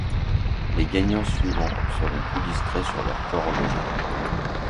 Les gagnants suivants seront plus discrets sur leurs coordonnées.